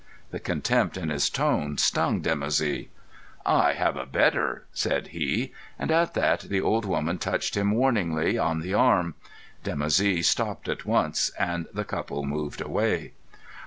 The contempt in his tone stung Dimoussi. "I have a better," said he, and at that the old woman touched him warningly on the arm. Dimoussi stopped at once, and the couple moved away.